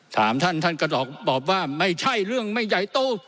ถามท่านท่านก็บอกว่าไม่ใช่เรื่องไม่ใหญ่โต